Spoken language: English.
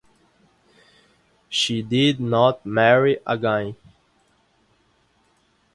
She did not marry again.